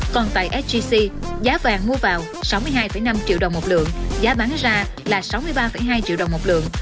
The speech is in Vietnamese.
còn tại sgc giá vàng mua vào sáu mươi hai năm triệu đồng một lượng giá bán ra là sáu mươi ba hai triệu đồng một lượng